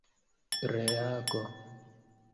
reago